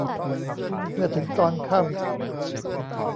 เมื่อถึงตอนค่ำ